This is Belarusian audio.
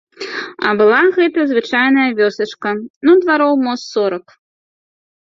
А была гэта звычайная вёсачка, ну двароў мо з сорак.